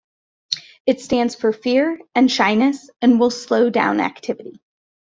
It stands for fear and shyness and will slow down activity.